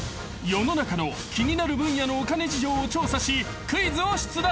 ［世の中の気になる分野のお金事情を調査しクイズを出題］